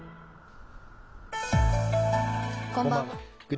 こんばんは。